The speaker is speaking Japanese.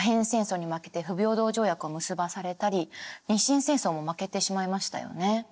戦争に負けて不平等条約を結ばされたり日清戦争も負けてしまいましたよね。